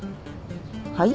はい？